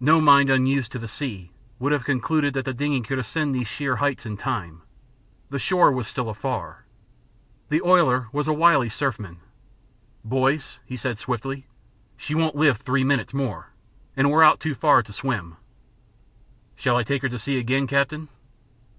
No mind unused to the sea would have concluded that the dingey could ascend these sheer heights in time. The shore was still afar. The oiler was a wily surfman. "Boys," he said swiftly, "she won't live three minutes more, and we're too far out to swim. Shall I take her to sea again, captain?"